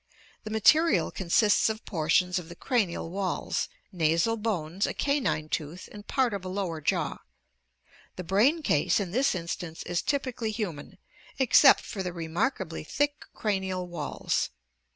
The material consists of portions of the cranial walls, nasal bones, a canine tooth, and part of a lower jaw. The brain case in this instance is typically human, except for the re markably thick cranial walls.